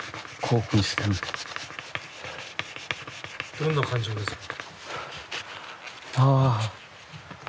どんな感情ですか？